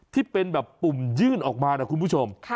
ที่เป็นแบบปุ่มยื่นออกมานะคุณผู้ชม